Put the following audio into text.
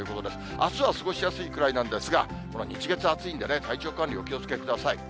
あすは過ごしやすいくらいなんですが、この日月暑いんでね、体調管理、お気をつけください。